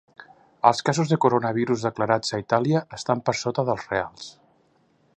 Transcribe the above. Els casos de coronavirus declarats a Itàlia estan per sota dels reals